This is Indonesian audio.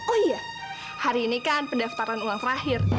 oh iya hari ini kan pendaftaran ulang terakhir